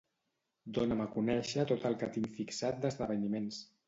Dona'm a conèixer tot el que tinc fixat d'esdeveniments.